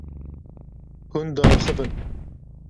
Hûn diaxivin.